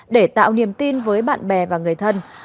để tạo niềm tin với bạn bè và người thân